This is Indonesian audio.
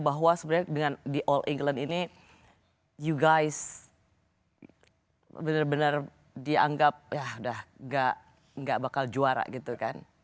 bahwa sebenarnya dengan di all england ini you guys ⁇ benar benar dianggap ya udah gak bakal juara gitu kan